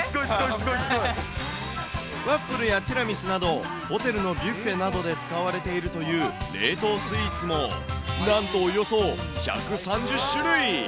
ワッフルやティラミスなど、ホテルのビュッフェなどで使われているという冷凍スイーツも、なんと、およそ１３０種類。